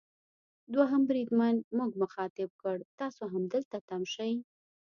دوهم بریدمن موږ مخاطب کړ: تاسو همدلته تم شئ.